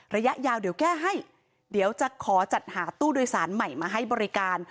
ระยะยาวเดี๋ยวแก้ให้เดี๋ยวจะขอจัดหาตู้โดยสารใหม่มาให้บริการ